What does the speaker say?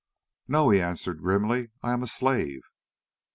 "No," he answered grimly, "I am a slave."